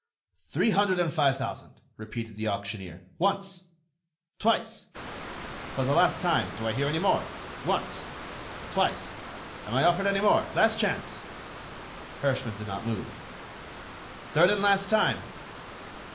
"Three hundred and five thousand," repeated the auctioneer. "Once!... Twice!... For the last time.... Do I hear any more?... Once!... Twice!... Am I offered any more? Last chance!..." Herschmann did not move. "Third and last time!...